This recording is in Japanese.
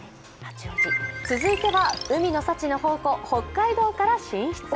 続いては、海の幸の宝庫、北海道から進出。